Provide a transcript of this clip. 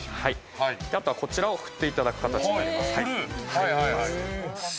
こちらを振っていただく形になります。